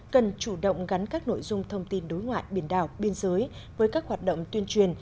cần chủ động gắn các nội dung thông tin đối ngoại biển đảo biên giới với các hoạt động tuyên truyền